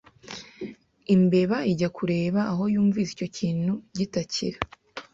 Imbeba ijya kureba aho yumvise icyo kintu gitakira